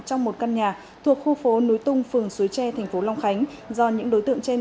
trong một căn nhà thuộc khu phố núi tung phường suối tre thành phố long khánh do những đối tượng trên